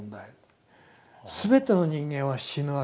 全ての人間は死ぬわけです。